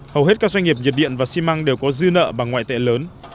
hầu hết các doanh nghiệp nhiệt điện và xi măng đều có dư nợ bằng ngoại tệ lớn